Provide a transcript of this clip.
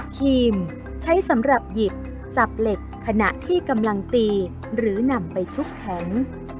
ครีมใช้สำหรับหยิบจับเหล็กขณะที่กำลังตีหรือนำไปชุบแข็ง